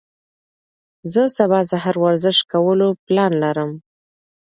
زه سبا سهار ورزش کولو پلان لرم.